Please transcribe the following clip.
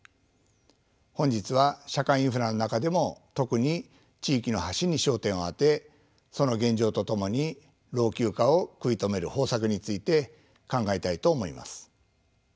本日は社会インフラの中でも特に地域の橋に焦点を当てその現状とともに老朽化を食い止める方策について考えたいと思います。